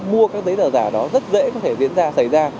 mua các giấy tờ giả đó rất dễ có thể diễn ra xảy ra